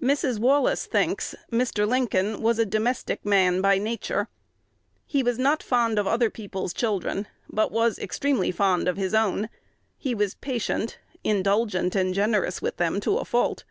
Mrs. Wallace thinks "Mr. Lincoln was a domestic man by nature." He was not fond of other people's children, but was extremely fond of his own: he was patient, indulgent, and generous with them to a fault.